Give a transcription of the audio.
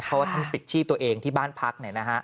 เพราะว่าท่านปิดชีพตัวเองที่บ้านพัก